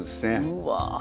うわ。